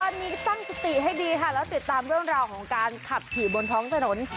ตอนนี้ตั้งสติให้ดีค่ะแล้วติดตามเรื่องราวของการขับขี่บนท้องถนน